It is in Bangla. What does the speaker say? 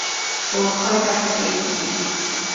বোধহয় তাকে পেয়েছি।